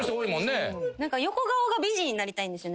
横顔が美人になりたいんですよね。